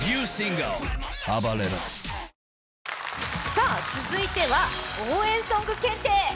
さあ、続いては応援ソング検定。